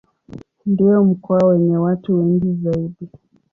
Ndio mkoa wenye watu wengi zaidi.